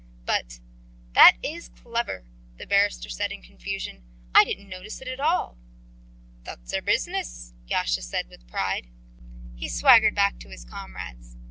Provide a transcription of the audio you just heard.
"But ... That is clever," the barrister said in confusion. "I didn't notice it at all." "That's our business," Yasha said with pride. He swaggered back to his comrades.